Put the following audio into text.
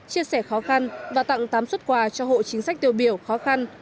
chia sẻ khó khăn và tặng tám xuất quà cho hộ chính sách tiêu biểu khó khăn